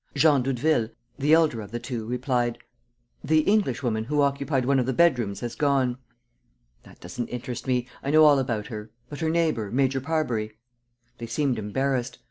Jean Doudeville, the elder of the two, replied: "The Englishwoman who occupied one of the bedrooms has gone." "That doesn't interest me. I know all about her. But her neighbor, Major Parbury?" They seemed embarrassed.